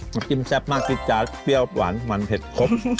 มันกินแซ่บมากจิ๊ดจ๊าดเชี่ยวหวานเหมือนเผ็ดครบ